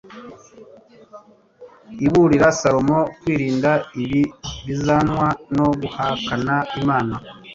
iburira salomo kwirinda ibibi bizanwa no guhakana imana